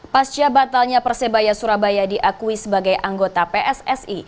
pas jabatalnya persebaya surabaya diakui sebagai anggota pssi